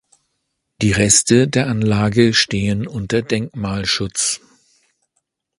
Die Reste der Anlage stehen unter Denkmalschutz.